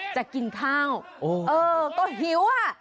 จะกินข้าวเออก็หิวอ่ะ